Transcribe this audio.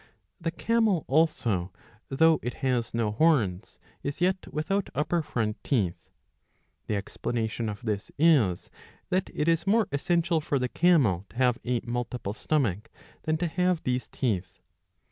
The camel also, though it. has no horns, is yet without upper front teeth.^ The explanation of this is that it is more essential for the camel to have a multiple stomach than to have these teeth.